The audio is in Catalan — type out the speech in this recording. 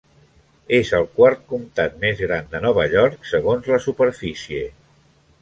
És el quart comtat més gran de Nova York segons la superfície.